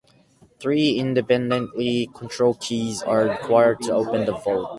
Three independently controlled keys are required to open the vault.